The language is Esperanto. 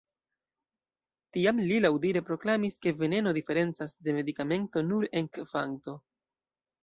Tiam li laŭdire proklamis, ke "veneno diferencas de medikamento nur en kvanto".